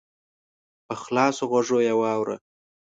په خلاصو غوږو یې واوره !